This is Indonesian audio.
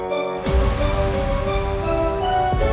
pak bangun pak